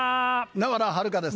海原はるかです。